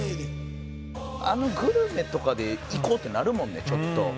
あのグルメとかで行こうってなるもんねちょっと。